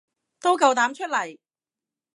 都夠膽出嚟